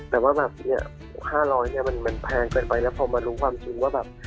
แต่ว่า๕๐๐บาทมันแพงเกินไปแล้วพอมารู้ความจริงว่า